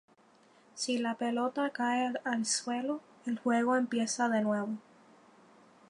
Si la pelota cae al suelo, el juego empieza de nuevo.